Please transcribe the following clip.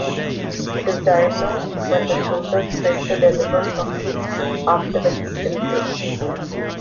It is diagnosed when the shoulders fail to deliver shortly after the fetal head.